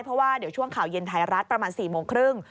เพราะว่าเดี๋ยวช่วงข่าวเย็นไทยรัฐประมาณ๔โมงครึ่ง